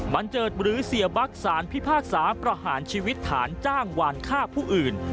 เจิดหรือเสียบัคสารพิพากษาประหารชีวิตฐานจ้างวานฆ่าผู้อื่น